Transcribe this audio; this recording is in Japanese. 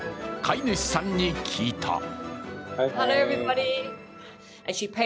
飼い主さんに聞いた。